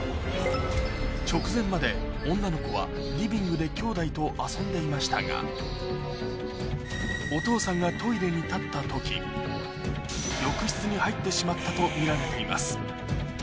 直前まで女の子はリビングできょうだいと遊んでいましたがお父さんがトイレに立った時とみられています